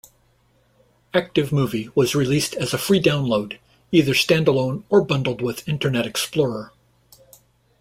ActiveMovie was released as a free download, either standalone or bundled with Internet Explorer.